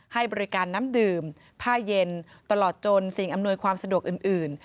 ให้บริการน้ำดื่มผ้าเย็นตลอดจนสิ่งอำนวยความสะดวกอื่น